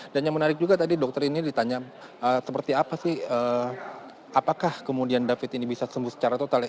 yang menarik juga tadi dokter ini ditanya seperti apa sih apakah kemudian david ini bisa sembuh secara total